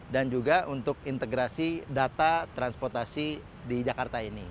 dan juga untuk integrasi data transportasi di jakarta ini